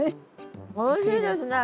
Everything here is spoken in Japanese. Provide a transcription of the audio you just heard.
おいしいですね。